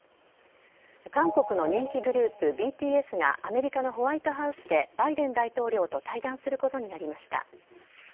韓国の人気グループ・ＢＴＳがアメリカのホワイトハウスでバイデン大統領と対談することになりました。